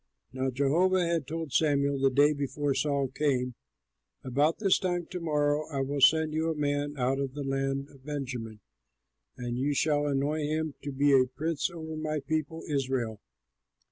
Now Jehovah had told Samuel the day before Saul came, "About this time to morrow I will send you a man out of the land of Benjamin, and you shall anoint him to be a prince over my people Israel.